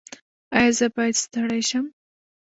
ایا زه باید ستړی شم؟